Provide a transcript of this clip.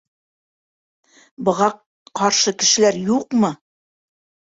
Быға ҡаршы кешеләр юҡмы?